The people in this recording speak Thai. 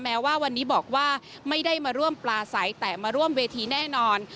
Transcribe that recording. แม้ว่าวันนี้บอกว่าไม่ได้มาร่วมปลาใสแต่มาร่วมเวทีแน่นอน